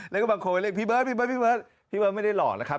แล้วก็บางคนไปเล่นพี่เบิร์ดพี่เบิร์ดพี่เบิร์ดพี่เบิร์ดพี่เบิร์ดไม่ได้หลอกนะครับ